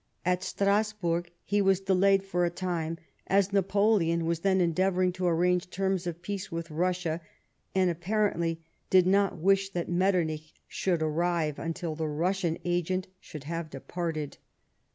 At Strasburg he was delayed for a time, as Napoleon was then endeavouring to arrange terms of peace with Russia, and, apparently, he did not wish that Metternich should arrive until the Russian agent should have departed.